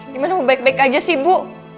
gimana mau baik baik saja sih bu